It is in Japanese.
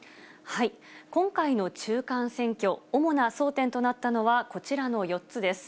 今回の中間選挙、主な争点となったのはこちらの４つです。